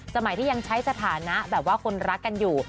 สมัยที่ยังใช้สถานะแบบว่าคนรักกันอยู่